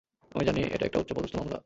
আমি জানি এটা একটা উচ্চ পদস্ত মামলা।